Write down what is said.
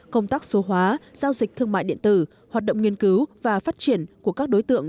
công tác số hóa giao dịch thương mại điện tử hoạt động nghiên cứu và phát triển của các đối tượng